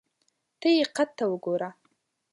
ته یې قد ته وګوره !